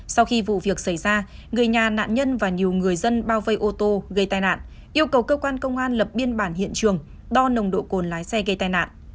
sau khi vụ việc xảy ra người nhà nạn nhân và nhiều người dân bao vây ô tô gây tai nạn yêu cầu cơ quan công an lập biên bản hiện trường đo nồng độ cồn lái xe gây tai nạn